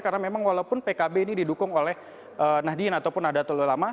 karena memang walaupun pkb ini didukung oleh nahdien ataupun adatul ulama